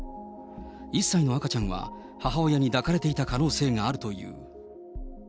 １歳の赤ちゃんは母親に抱かれていた可能性があるという。